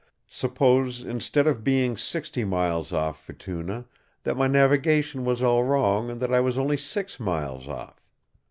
Suppose, instead of being sixty miles off Futuna, that my navigation was all wrong and that I was only six miles off?